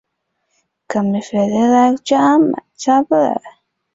当然也没有用财务杠杆来提升收益率。